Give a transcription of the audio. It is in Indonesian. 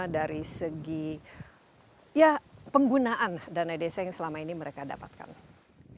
dari segi ya penggunaan dana desa yang selama ini mereka dapatkan